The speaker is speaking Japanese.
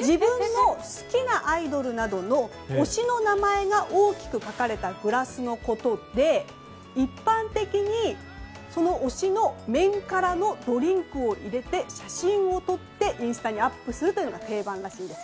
自分の好きなアイドルなどの推しの名前が大きく書かれたグラスのことで一般的にその推しのメンカラのドリンクを入れて写真を撮ってインスタにアップするのが定番らしいです。